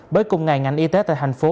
bởi cùng ngày ngành y tế tại thành phố